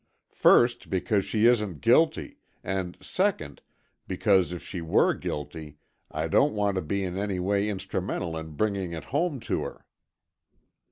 "First, because she isn't guilty, and second, because, if she were guilty, I don't want to be in any way instrumental in bringing it home to her."